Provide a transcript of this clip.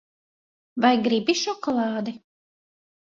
Vai gribi šokolādi?